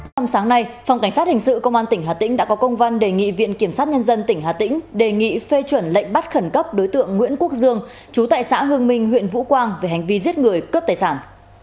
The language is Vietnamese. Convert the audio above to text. trong sáng nay phòng cảnh sát hình sự công an tỉnh hà tĩnh đã có công văn đề nghị viện kiểm sát nhân dân tỉnh hà tĩnh đề nghị phê chuẩn lệnh bắt khẩn cấp đối tượng nguyễn quốc dương chú tại xã hương minh huyện vũ quang về hành vi giết người cướp tài sản